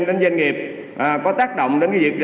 đến doanh nghiệp có tác động đến việc